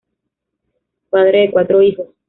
Padre de cuatro hijos.